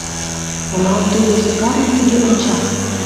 Молан тудо Сакарым тыге онча?